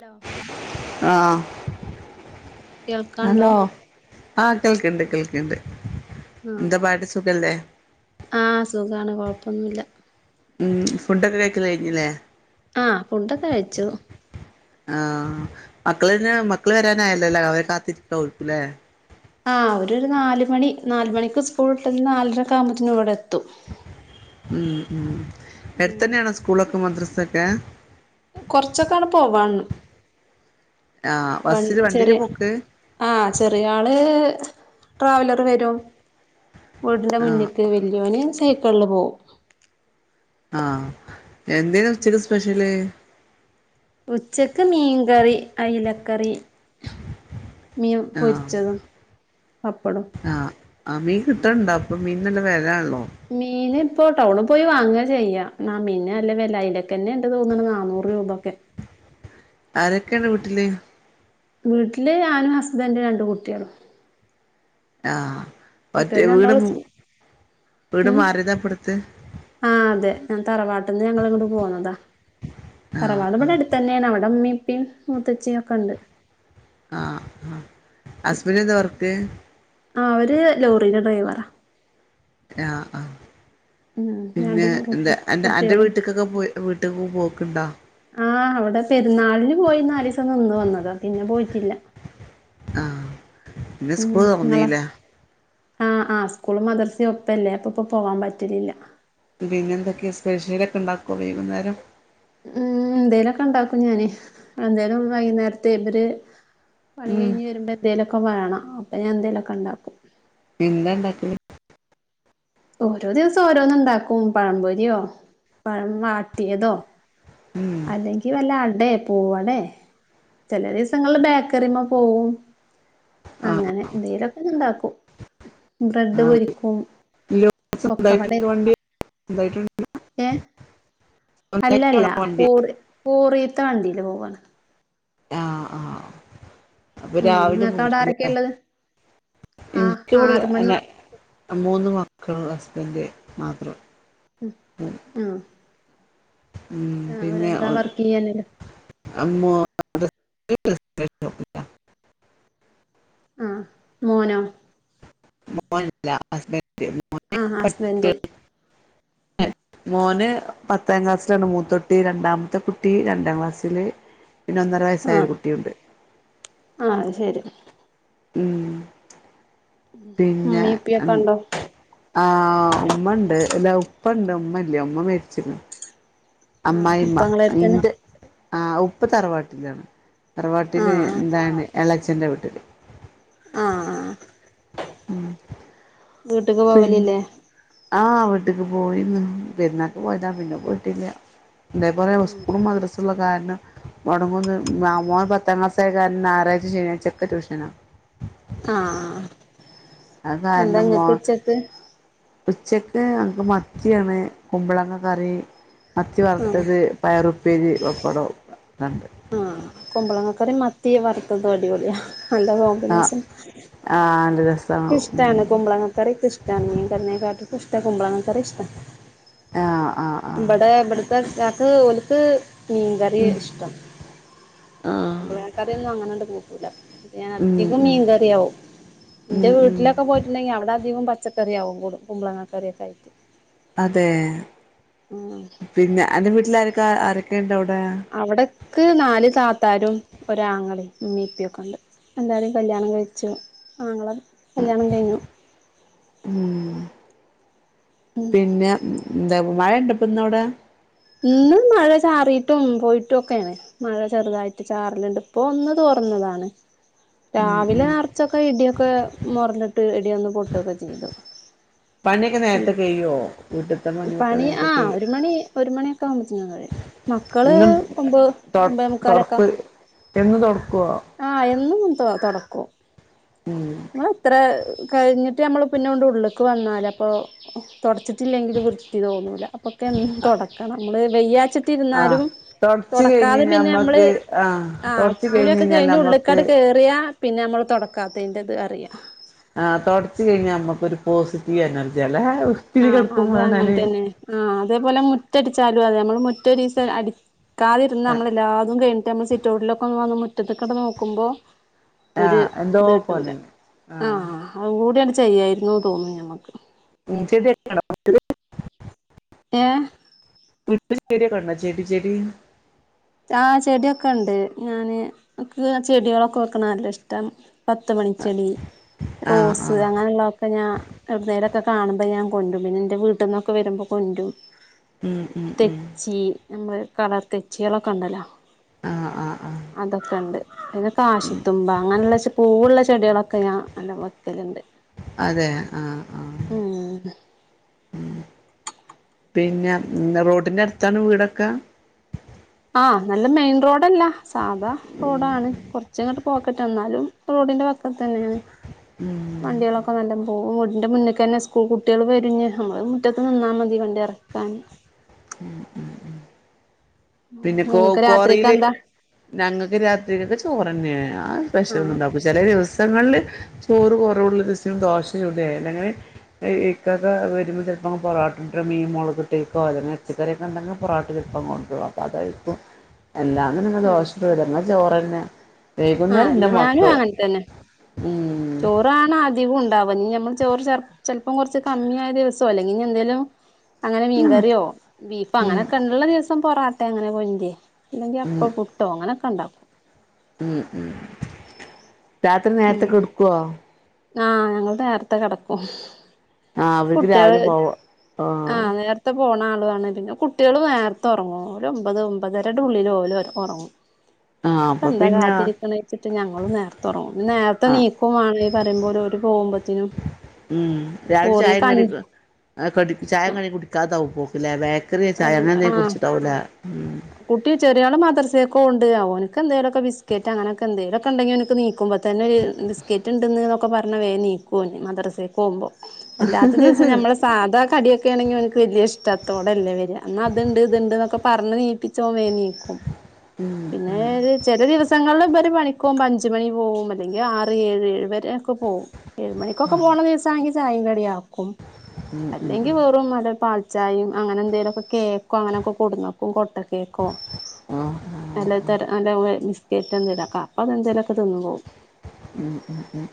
Hello ആഹ കേൾക്കാണ്ടോ ആഹ് കേൾക്കണ്ട് കേൾക്കണ്ട് ആഹ് എന്താ പാട് സുഖല്ലേ ആഹ് സുഖാണ് കൊഴപ്പൊന്നുമല്ല ഉം ഫുഡൊക്കെ കേഴക്കല കഴിഞ്ഞില്ലേ ആഹ് ഫുടക കഴിച്ചു ആഹ മക്കള മക്കള് വരാനായല്ലല്ലോ അവരെ കാത്തിട്ടട്ട കൊഴക്കല്ലേ ആ ഒരു ഒരു നാല മണി നാല മണിക്ക് സ്കൂൾ ഇട്ടന്ന് നാലരക്കെ ആവുമ്പോത്തേന് ഇവിടെ എത്തും ഉ ഉ പേടു ഉം തന്നെയണ സ്കൂളൊക്കെ മദ്രസൊക്കെ കൊറച്ചൊക്കാണ് പോവാ ആഹ് വണ് ബസ്സില് ചെറിയ വണ്ടിയിലാ പോക്ക് ആഹ് ചെറിയ ആള് ട്രാവലർ വരും വീടിന്റെ ആഹ് മുന്നേക്ക് വല്ിയോന് ൈസ കിൾ. പോകും ആഹ എന്തിന ഉച്ചക്കല് സ്പെഷ്യല് ഉച്ചക്ക് മീൻകറി അയിലക്കറി മീ ആഹ് പൊരിച്ചത പപ്പടും ആ മീൻ കിട്ടണ്ടോ അപ്പൊ മീൻല്ല വലള്ളോ മീന് ഇപ്പൊ ടൗണ പോയി വാങ്ങാ ചെയ്യ ന മീന്ന അല്ല വല്ല അലൊക്കെന്നെ എണ്ട് തോന്നണ നാന്നൂറ് രൂപൊക്കെ ആരൊക്കെയുണ്ട് വീട്ടില് വീട്ടില് ഞാനും ഹസ്ബൻഡും രണ്ടു കുട്ടികളും ആഹ കുട്ടിയല്ലാം എണ്ടാള് വീട് ഉം മാറിയതാ ഇപ്പടുത്ത് ആഹ അതെ ഞാൻ തറവാട്ടിൽന്ന് ഞങ്ങള ഇങ്ങോട്ട് പോുന്നതാ ആഹ് ആഹ് തറവാടമ്മടെ അടുത്ത് തന്നെയാണ് അവിടെ ഇമ്മ, ഉപ്പ, മൂത്തച്ചിയ ഒക്കെ ഉണ്ട് ത്തെ ആ അവര് ലോറീടെ ഡ്രൈവറാ ആ ആ ഉം രണ്ട് പിന്നെ കുട്ടി എന്താ അന്റെ അന്റെ കുട്ട്യേളും വീട്ട്ക്കൊക്കെ പോയി വീട്ട് പോക്ക്ണ്ടാ ആഹ് അവിടെ പെരുന്നാളിന് പോയി നാല്സം നിന്ന് വന്നതാ പിന്നെ പോയിട്ടില്ല ആ പിന്നെ സ്കൂള് തുറന്നീലെ ആ ആ സ്കൂള് മദർസെ ഒപ്പല്ലേ അപ്പ പ്പൊ പോവാൻ പറ്റലില്ല പിന്നെന്തൊക്കെയാ സ്പെഷ്യലൊക്കെ ഇണ്ടാക്കോ വൈകുന്നേരം ഉം എന്തേലൊക്കെ ണ്ടാക്കും ഞാന് എന്തേലും വൈകുന്നേരത്തെ ഇവര് പണി ഉം കഴിഞ്ഞ് വരുമ്പോ എന്തേലൊക്കെ വേണം അപ്പ ഞാൻ എന്തേലൊക്കെ ണ്ടാക്കും [unintelligible] ഓരോ ദിവസം ഓരോന്നുണ്ടാക്കും പഴംപൊരിയോ പഴം വാട്ടിയതോ ഉം അല്ലെങ്കി വല്ല അടേ പൂവടേ ചെലേ ദിവസങ്ങളില് ബേക്കറിമേ പോവും ആഹ് അങ്ങനെ എന്തെങ്കിലൊക്കെ ഇണ്ടാക്കും ആന്തെ [unintelligible] സ്വന്തായിട്ട് പൊക്കവട വണ്ടി എന്തായിട്ട് [unintelligible] ഏ ഒന്നായിട്ടാണേവണ്ടി കോറെ കോറെത്താണ്ടില് പോവാണ് [unintelligible] ആ ആ അപ്പൊ ഉം രാവിലെ നിങ്ങക്ക് അവിടെ ആരൊക്കെയ ഉള്ളത് [unintelligible] ആ ൻക്ക് ഇവിടെ ആറ് മണി എന്നെ മൂന്ന് മക്കള് ഹസ്ബന്റ് മാത്രം ഉം ആ ഉം പിന്നെ ചെയ്യാനില്ലേ അമ്മോ [unintelligible] ആഹ് മോനോ മോനല്ല ഹസ്ബൻഡ് മോന് ആഹ് ഹസ്ബൻഡ് പഠിക്കാണ് [unintelligible] മോന് പത്താം ക്ലാസ്സിലാണ് മൂത്ത കുട്ടി രണ്ടാമത്തെ കുട്ടി രണ്ടാം ക്ലാസ്സില് പിന്നെ ഒന്നര വയസ്സായ ഒരു ആഹ് കുട്ടിയുണ്ട് ആഹ് അത് ശരി ഉം പിന്നെ ഉമ്മീം ആ ഇപ്പിയൊക്കെ ഉണ്ടോ ആഹ ഉമ്മണ്ട് അല്ല ഉപ്പണ്ട് ഉമ്മില്ല ഉമ്മ മരിച്ചിരുന്നു ആഹ് ഉപ്പ അമ്മായിയമ്മ ഇങ്ങളെട്ത്തന്നെ ന്റെ ആ ഉ ഇപ്പൊ തറവാട്ടിലാണ് തറവാട്ടില് ആഹ് എന്താണ് എളേച്ചന്റെ വീട്ടില് ആ ആ ഉം പിന്നെ പോവലില്ലേ ആ ട്ട്ക്ക് പോയി നിന്ന് പെരുന്നാക്ക് പോയതാ പിന്നെ പോയിട്ടില്ല എന്താപറയ ഉം ഇസ്‌കൂള് മദ്രസെള്ള കാരണം മുടങ്ങൂന്ന് മോൻ പത്താം ക്ലാസ്സായ കാരണം ഞാറാഴ്ച ശനിയാഴ്ചൊക്കെ ട്യൂഷനാ ആ ആഹ് അത് കാരണം മോ എന്താങ്ങക്ക് ഉച്ചക്ക് ഉച്ചക്ക് ഞക്ക് മത്തിയാണ് കുമ്പളങ്ങ കറി മത്തി ആഹ് വറുത്തത് പയറുപ്പേരി പപ്പടം ഒക്കെണ്ട് ത്രം മത്തി വറുത്തത് അടിപൊളിയാ നല്ല ആഹ് കോമ്പിനേഷൻ ആഹ് നല്ല രസാണ് ഉം ക്കിഷ്ടാണ് കുമ്പളങ്ങ കറീക്കെ ഇഷ്ടാണ് മീൻ കറീനെ കാട്ടൊക്കെ ഇഷ്ടം കുമ്പളങ്ങ കറി ഇഷ്ടം ആ ഇവ്ടെ ഇവ്ട്ത്തെ ക്കാക്ക് ഓല്ക്ക് മീൻകറിയാ ഉം ഇഷ്ടം ആഹ് കുമ്പളങ്ങാക്കറിയൊന്നും അങ്ങനങ്ങട്ട് കൂട്ടൂല്ല ഞാൻ ഉം അധികം ഉം മീൻകറിയാവും ഉം ന്റെ ഉം വീട്ടിലൊക്കെ പോയിട്ട്ണ്ടെങ്കിൽ അവിടെ അധികം പ പച്ചക്കറിയാവും കുടു കുമ്പളങ്ങക്കറിയൊക്കെയായിറ്റ് അതെ പിന്നെ അന്റെ വീട്ടില് ആരെക്കെ ആരൊക്കെണ്ടവിടെ അവിടക്ക് നാല് താ തരും ഒരാങ്ങളേം ഉമ്മിപ്പിയൊക്കെ ഉണ്ട് എല്ലാരും കല്ല്യാണം കഴിച്ചു ആങ്ങള കല്യാണം കഴിഞ്ഞു ഉം ഉം പിന്നെ എന്താ മഴ ഉണ്ടപ്പ ഇന്ന അവിടെ ഇന്ന് മഴ ചാറിട്ടും പോയിട്ടും ഒക്കെയാണ് മഴ ചെറുതായിട്ട് ചാറലുണ്ട് ഇപ്പൊ ഒന്ന് തോറന്ന് അതാണ് ഉം രാവിലെ ഉം നിറച്ചൊക്കെ ഇടിയൊക്കെ മൊറഞ്ഞിട്ട് ഇടിയൊന്ന് പൊട്ടൊക്കെ ചെയ്തു പണിയൊക്കെ നേരത്തെക്കെ കഴിയോ പണിയൊക്കെ പണി ആ നേരത്തെ കഴിയോ ഒരു മണി ഒരു മണിയൊക്കെ ആവുബോതിന് കഴിയും മക്കള് എന്നും ഒമ്പത് തൊ ഒമ്പത [unintelligible] തൊടക്ക് എന്നും തൊടക്കുവോ എന്നും ഉം തുടക്കുംഇങ്ങള് എത്ര കഴിഞ്ഞിട്ട് നമ്മൾ പിന്നെ കൊണ്ട് ഉള്ളേക്ക് വന്നാൽ അപ്പോൾ തുടച്ചിട്ടില്ല ചി തോന്നൂല അപ്പൊക്കെ തുടക്കണം നമ്മള് വെയ്യാച്ചിട്ട് ആഹ് ഇരുന്നാലും തൊടച്ച് കഴിഞ്ഞ് തുടക്കാതെ കഴിഞ്ഞാ പിന്നെ നമ്മള് നമ്മക്ക് ആഹ് ആ തൊടച്ച് കഴിഞ്ഞ് കുളിയൊക്കെ കഴിഞ്ഞാൽ കഴിഞ്ഞു നമ്മക്ക് ഉള്ളിക്കട് കയറിയാ പിന്നെ നമ്മൾ തുടക്കാത്തതിൻ്റെത് അറിയാം ആഹ് തൊടച്ച് കഴിഞ്ഞാ നമ്മക്കൊരു പോസിറ്റീവ് എനർജിയാണ് ആഹ അത് അങ്ങനെ തന്നെ ആ അതേപോലെ മുറ്റടിച്ചാലും അതെ നമ്മള് മുറ്റഒരു ദിവസം കാതിരുന്ന് നമ്മളെല്ലാതും കഴിഞ്ഞട്ട നമ്മൾ സിറ്റൗട്ടിലൊക്കെ വന്ന് മുറ്റത്ത് അങ്ങ് നോക്കുമ്പോ ഒരു ആഹ് എന്തോ ഇത്ട്ടൂലാ പോലെയാണ് ആഹ ആഹ് അതൂടിയങ്ങോട്ട് ചെയ്യായിരുന്നു തോന്നുന്നു ഞമ്മക്ക് [unintelligible] ഏഹ് [unintelligible] ചെടി ചെടി ആ ചെടിക്കെ ഉണ്ട് ഞാന് ചെടികളൊക്കെ വെക്കണേ നല്ല ഇഷ്ടാണ് പത്തുമണി ചെടി ആഹ് റോസ് ആഹ് അങ്ങനെ ഉള്ളത്തെക്കെ ഞാൻ കാണുമ്പോ ഞാൻ കൊണ്ടും പിന്നെ എന്റെ വീട്ടിൽ നിന്നൊക്കെ വരുമ്പോൾ കൊണ്ടും ഉം ഉം ഉം തെച്ചി നമ്മ കളർ തെച്ചികളൊക്കെ ഉണ്ടല്ലോ ആ ആ ആ പിന്നെ കാശിത്തുമ്പ അങ്ങനെയുള്ള പൂവുള്ള ചെടികളൊക്കെ ഞാൻ നല്ല വക്കലുണ്ട് അതെ ആ ആ ഉ പിന്നെന്താ റോഡിന്റെ അടുത്താണ് വീടൊക്കെ ആ നല്ല മെയിൻ റോഡല്ലാ സാധാ റോഡാണ് കുറച്ച അങ്ങോട്ട് പോക്കട്ടന്നാലും റോഡിന്റെ വക്കതന്നെയാണ് ഉം വണ്ടികളൊക്കെ നല്ല പോകും എന്റെ മുന്നേക്കന്നെ സ്കൂൾ കുട്ടികൾ വരഞ്ഞ് നമ്മള് മുറ്റത്ത് നിന്നാ മതി വണ്ടി ഇറക്കാൻ പിന്നെ കോ നിങ്ങൾക്ക് രാത്രിക്ക് കോറിയില് എന്താ ഞങ്ങൾക്ക് രാത്രിലൊക്കെ ചോറന്നേ ആ ആഹ് സ്‌പെഷ്യലുണ്ടാകും ചില ദിവസം പുങ്ങളില് ചോറ് കുറവുള്ള രസം ദോശ ചൂടിയാല അങ്ങനെ ഇക്കക്കെ വരുമ്പോ ഇപ്പ പൊറോട്ടട് മീൻ മുളകിട്ട് വയ്ക്കോ പച്ചക്കറിയൊക്കെ ണ്ടെങ്കിൽ പൊറട്ടേ ചെൽപ്പം കൊണ്ടരും അപ്പോം [unintelligible] ആ അല്ല ഞാനും അങ്ങനെ തന്നെ ഉം ചോറാണ് അധികവും അപ്പോ ഇനി നമ്മൾ ചോറ് ചെലപ്പം കുറച്ച് കമ്മിയായ ദിവസോ അല്ലെങ്കൽ ഇനി എന്തേലും അങ്ങനെ മീൻകറിയോ ബീഫോ ഉം അങ്ങനൊക്കെ ഉള്ള ദിവസം പൊറോട്ടെ അങ്ങനെ അല്ലെങ്കി അപ്പ പുട്ടോ അങ്ങനൊക്കെ ഉണ്ടാവും ഉം ഉ രാത്രി ഉം നേരത്തെ കെടക്കുവോ ആഹ് ഞങ്ങൾ നേരത്തെ കിടക്കും ആ അവർക്ക് കുട്ടികൾ രാവിലെ പോവാ ആ നേരത്തെ പോണാരുന്നു പിന്നെ കുട്ടികൾ നേരത്തെ ഉറങ്ങും ഒമ്പത് ഒമ്പതരെടെ ഉള്ളിൽ ഓൽ ഉറങ്ങും ആ പിന്നെ ഇപ്പ അപ്പൊ എന്താ പിന്നെ കാത്തിരിക്കണവെച്ചിട്ട് ഞങ്ങളും നേരത്തെ ഉറങ്ങും നേരത്തെ ആ നീക്കും വേണം ഈ പറിമ്പോലെ പോകുമ്പോഴത്തിനും ഉം രാവിലെ ചായയും കടിയുംകുടിക്കാതെ അവ്മും പോക്ക് ലെ അല്ല ആ ഉം കുട്ടി ചെറിയ ആള് മാദ്രസയൊക്കെ ഉണ്ട് ഓ എനിക്ക് എന്തങ്കിലിമൊക്കെ ബിസ്ക്കറ്റ് അങ്ങനെ എന്തങ്കിലുമൊക്കെ ഉണ്ടെങ്കിൽ എണിക്കുമ്പോതന്നെ ബിസ്ക്കറ്റ് ഉണ്ടന്ന് ഒക്കെ പറ പറഞ്ഞാൽ വേഗം നീക്കുംഓന് മദ്രസെക്ക് പോവുമ്പോ അല്ലാത്ത ദിവസം നമ്മളെ സാധാ കടിയൊക്കെ ആണെങ്കിൽ ഓന്ക് വലിയ ഇഷ്ടാത്തോ എന്നാ അത്ണ്ട് ഇത്ണ്ട് എന്നൊക്കെ പറഞ്ഞ് നീൽപ്പിച്ചോ ഓൻ വേഗം നീക്കും പിന്നെ ഒരു ചെല ദിവസം ഞങ്ങൾ ഇവര് പണിക് പോകുമ്പോ അഞ്ചു മണി പോകും അല്ലെങ്കിൽ ആറ് ഏഴ് ഏഴ് വരെ ഒക്കെ പോവും ഏഴ് മണിക്കൊക്കെ പോകണ ദിവസമാണെങ്കിൽ ചായയും കടിയും ആക്കും അല്ലെങ്കിൽ വെറും നല്ല പാൽ ചായയും അങ്ങനെ എന്തേലുമൊക്കെ കേക്കോ അങ്ങനെഒകെ കൊടുന്നുവെക്കുമ്പോ കേക്കോ ഉം നല്ല [unintelligible] കേകോ അപ്പൊ അതെന്തേലുംഒക്കെ തിന്നു പോകും ഉം ഉം ഉം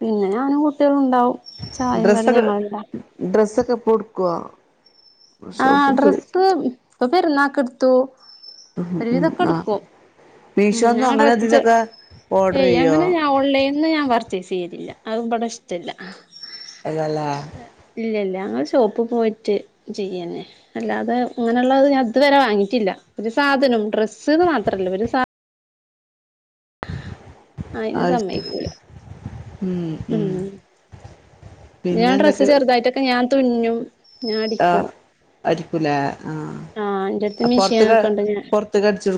പിന്നെ ഞാനും കുട്ടിയാളും ഇണ്ടാവും. ഡ്രെസ്സൊക്കെ ഡ്രെസ്സൊക്കെ എപ്പോഴും ഇടുകുവോ. ആ ഡ്രെസ് ഇപ്പോ പെരുന്നാൾക്ക് ഇടുത്തു. ഉ ഉ ആഹ് ഉ മീഷോന്നും ഞങ്ങൾ അങ്ങനെ ഡ്രസ്സ്‌ ഇതിന്നൊക്കെ ഓർഡർ ഏയ് ചെയ്യോ അങ്ങനെ ഞാൻ ഓൺലൈനിൽന്ന് ഞാൻ പർച്ചേസ് ചെയ്യലില്ല. അത് ബട ഇഷ്ടല്ല അല്ലല്ലേ ഇല്ലല്ല ഞങ്ങൾ ഷോപ്പിൽ പോയിട്ട് ചെയ്യന്നേ അല്ലാതെ ഇങ്ങനുള്ളത് ഞാൻ അതുവരെ വാങ്ങിട്ടില്ല. ഒരു സാ ഒരു സാധനും ഡ്രസ്ന്ന് മാത്രമല്ല ഒരു സാധനും. [unintelligible] അയിന് സമ്മയ്ക്കൂല. മ്മ് മ്മ് ഞാൻ ഡ്രസ്സ് ചെറുതായിട്ടൊക്കെ ഞാൻ തുന്നും ഞാൻ അടിക്കും. ആഹ് അടിക്കൂലേ ആഹ് എന്റെടുത്ത് ആ പൊറത്ത്ക് മിഷീനൊക്കെ ഉണ്ട് ഞാൻ പൊറത്തക് അടിച്ചു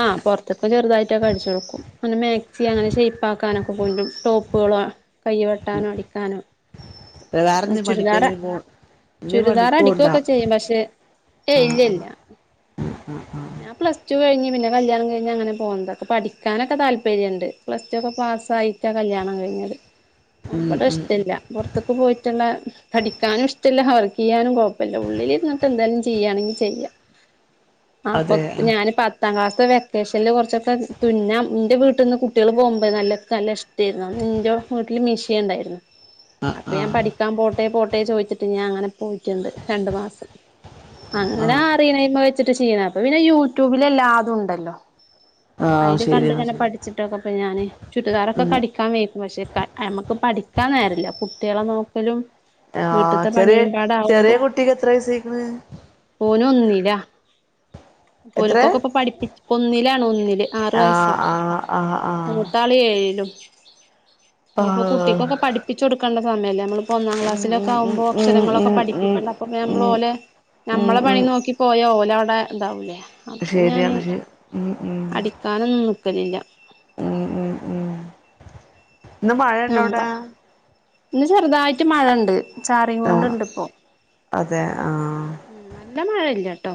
ആഹ് പുറത്തൊക്കെ ചെറുതായിട്ടൊക്കെ അടിച്ചു കൊടുക്കും ആ മാക്സി അങ്ങനെ ഷെയ്‌പ്പാ ആാക്കാനൊക്കെ കൊണ്ടാരും ടോപ്പ്. കൈ വെട്ടാനും അടിക്കാനും വേറെന്തേലും പണിക്ക് ചുരിദാറ എന്തേലും പോ എന്തേലും ചുരിദാർ പണിക്ക് പോവ്ണ്ടോ അടിക്കൊക്കെ ചെയ്യും പക്ഷെ. ഏ ഇല്ലല്ല ഞാൻ പ്ലസ് ടു പ്ലസ്ടു കഴിഞ്ഞു പിന്നെ കല്യണം കയിഞ്ഞു അങ്ങനെ പോന്നതാ പഠിക്കാനൊക്കെ താല്പര്യ ഉണ്ട് പ്ലസ്ടു ഒകെ പാസ്സായിട്ടാ കല്യാണം കഴിഞ്ഞത് ഉം ഇബടെ ഉം ഇഷ്ടല്ല. പുറത്തൊക്കെ പോയിട്ടുള്ള പഠിക്കാനും ഇഷ്ടമില്ല വർക്ക് ചെയ്യാനും കുഴപ്പമില്ല ഉള്ളിലിരുന്നിട്ട് എന്തെങ്കിലും ചെയ്യുകയാണെങ്കിൽ. ചെയ്യ അപ്പോ അതെ ഉം ഞാൻ പത്താം ക്ലാസ്സാ ഇപ്പോ വെക്കേഷനിൽ കുറച്ചൊക്കെ തുന്നാം എൻ്റെ വീട്ടിൽ നിന്ന് കുട്ടികൾ പോകുമ്പോൾ നല്ല നല്ല ഇഷ്ടമായിരുന്നു ഇന്റോടെ. വീട്ടില് മിഷീൻ ഇണ്ടായിരുന്നു. അപ്പൊ ഞാൻ പഠിക്കാൻ പോട്ടെ പോട്ടെ ചോയ്ച്ചിട് ഞാൻ അങ്ങനെ പോയിട്ടുണ്ട് രണ്ട് മാസം. അങ്ങനെ ആഹ് അറിയണെമെ വെച്ചിട്ട് ചെയ്യണ. അപ്പൊ പിന്നെ യൂട്യൂബിൽ എല്ലാതും ഉണ്ടല്ലോ. ആഹ് അതില് കണ്ട് ശരിയാണ് ഇങ്ങനെ ശരി പഠിച്ചിട്ടാപോ ഞാന് ചുരിദാറൊക്കെ ഉം അടിക്കാൻ വയ്ക്കും പക്ഷെ നമക്ക് പഠിക്കാ നേരമില്ല കുട്ടികളെ നോക്കലും. ആഹ് വീട്ടത്തെ ചെറിയ ചെറിയ പണിയുമ്പാടാവുമ്പോ കുട്ടിക്ക് എത്ര വയസായിക്ണ്. ഓൻ ഒന്നില എത്രേ ഓൽക്കൊക്കെപ്പോ ഇപ്പൊ പഠിപ്പി ഒന്നിലാണ് ഒന്നില് ആറു ആഹ് വയസ്സാ ആഹ് ആഹ് ആഹ് മൂത്താള് ഏഴിലും. അപ്പോയിപ്പോ ആഹ് കുട്ടിക്കൊക്കെ പഠിപ്പിച്ച കൊടുക്കേണ്ട സമയല്ലേ നമ്മൾ. ഒന്നാം ഉം ഉം ഉം ക്ലാസിലൊക്കെകുമ്പോ അക്ഷരങ്ങളൊക്കെ ഉം ഉം പഠപ്പിക്കേണ്ട അപ്പൊ നമ്മൾ ഉം ഓലെ. ഉം ഉം നമ്മളെ ഉം പണി നോക്കി പോയ ഓലവിടെ ഇതാവൂലേ. അപ്പൊ ഞാൻ ശരിയാണ് ശരി ഉം ഉം അടിക്കാനൊന്നും നിക്കലില്ല. മം ഉം ഉം ഇന്ന് മഴ ഇണ്ടോ അവിടെ. നമ്മള ഇന്ന് ചെറുതായിട്ട് മഴ ഇണ്ട്. ചാറി കൊണ്ട് ആഹ് ഇണ്ട്പ്പോ. അതെ ആഹ് ഉ നല്ല മഴയില്ലട്ടോ.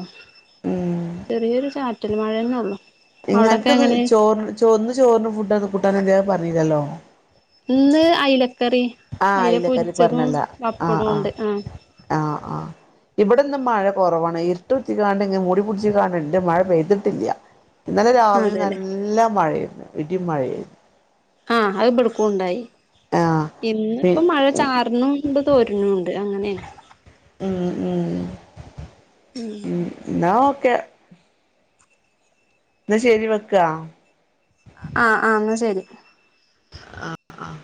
ഉം ചെറിയൊരു ചാറ്റൽ മഴെന്നെള്ളു നിനക്കിത് ചോർ ചോർന്ന് [unintelligible] പറയില്ലല്ലോ ഇന്ന് അയലക്കറി അയ്ല അയിലക്കറി പൊരിച്ചതും പറഞ്ഞല്ല ആഹ് പപ്പടും ആഹ് ഉണ്ട് ആ ആഹ് ആഹ് ഇവിടെന്ന് മഴ കുറവാണ് ഇർട്ടുട്ച്ച്കാണ്ട് ഇ മൂടി പിടിച്ചു കാണ്ട് മഴ പെയ്തിട്ടില്ല ഇന്നലെ രാവിലെ അതെല്ലേ നല്ല മഴയാരുന്നു ഇടിംമഴയും ആയിരുന്നു ആഹ് അത് ഇവ്ടുക്കുംണ്ടായി ആഹ് പി ഇന്നിപ്പോ മഴ ചാർന്നുണ്ട് തോരുന്നുണ്ട് അങ്ങനെയ ഉം ഉം ഉം എന്നാ ഓക്കെ ന്നാ ശരി വെക്കാ ആഹ് ആ എന്നാ ശരി ആഹ് ആഹ്